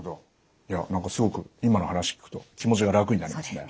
いや何かすごく今の話聞くと気持ちが楽になりますね。